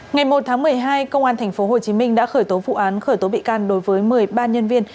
ngày một tháng một mươi hai công an tp hcm đã khởi tố vụ án khởi tố bị can đối với một mươi ba nhân viên